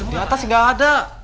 gimana pak ketemu gak